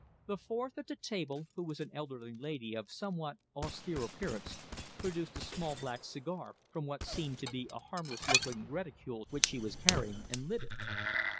The fourth at the table, who was an elderly lady of somewhat austere appearance, produced a small black cigar from what seemed to be a harmless looking reticule which she was carrying, and lit it.